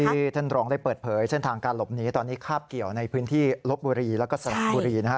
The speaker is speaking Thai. ท่านรองได้เปิดเผยเส้นทางการหลบหนีตอนนี้คาบเกี่ยวในพื้นที่ลบบุรีแล้วก็สระบุรีนะฮะ